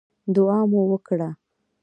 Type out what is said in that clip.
دعا مو وکړه.